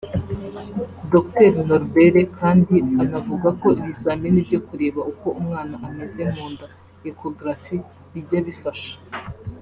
Dr Norbert kandi anavuga ko ibizamini byo kureba uko umwana ameze mu nda [ Echography ]bijya bifasha